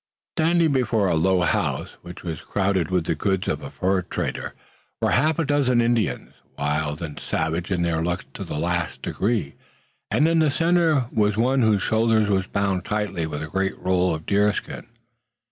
Standing before a low house, which was crowded with the goods of a fur trader, were a half dozen Indians, wild and savage in looks to the last degree, and in the center was one whose shoulder was bound tightly with a great roll of deerskin.